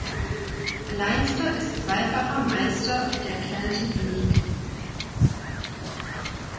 Leinster ist zweifacher Meister der Celtic League.